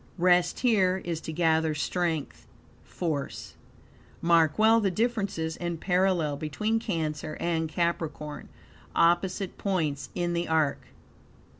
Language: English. Rest here, is to gather strength, force. Mark well the difference and parallel between Cancer and Capricorn, opposite points in the arc.